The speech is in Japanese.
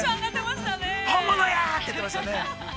◆本物や！って、言ってましたね。